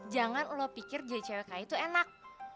jangan lo pikir jadi cewek kayak itu enak